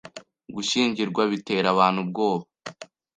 Gushyingirwa bitera abantu ubwoba.